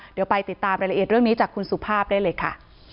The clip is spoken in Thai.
เดี๋ยวไปติดตามรายละเอียดเรื่องนี้จากคุณสุภาพได้เลยค่ะ